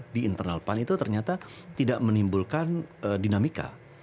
di internal pan itu ternyata tidak menimbulkan dinamika